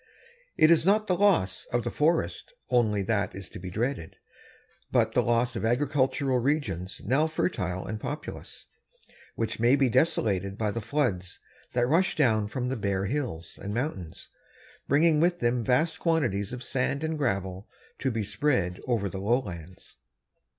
It is not the loss of the forests only that is to be dreaded, but the loss of agricultural regions now fertile and populous, which may be desolated by the floods that rush down from the bare hills and mountains, bringing with them vast quantities of sand and gravel to be spread over the lowlands.